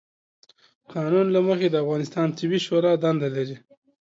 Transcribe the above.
قانون له مخې، د افغانستان طبي شورا دنده لري،